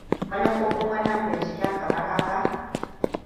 Manufofin wannan binciken kamar haka: